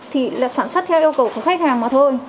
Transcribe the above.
thì là sản xuất theo yêu cầu của khách hàng mà thôi